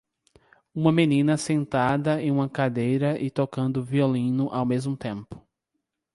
Uma menina sentada em uma cadeira e tocando violino ao mesmo tempo.